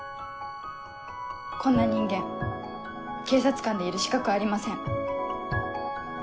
こんな人間警察官でいる資格ありません。